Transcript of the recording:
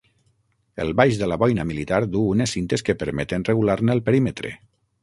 El baix de la boina militar duu unes cintes que permeten regular-ne el perímetre.